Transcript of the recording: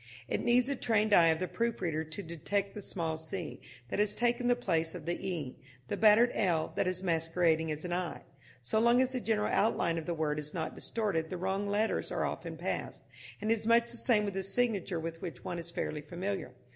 It needs the trained eye of the proof reader to detect the small c that has taken the place of the e, the battered l that is masquerading as an i. So long as the general outline of the word is not distorted the wrong letters are often passed; and it is much the same with a signature with which one is fairly familiar.